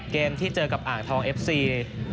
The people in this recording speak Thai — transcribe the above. เกมที่เจอกับอ่างทองเอฟซี